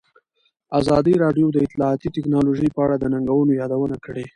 ازادي راډیو د اطلاعاتی تکنالوژي په اړه د ننګونو یادونه کړې.